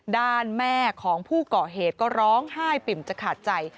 ด้านแม่ของผู้เกาะเหตุก็ร้องไห้ปิ่มจะขาดใจ